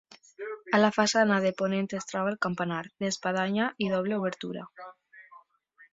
A la façana de ponent es troba el campanar, d'espadanya i doble obertura.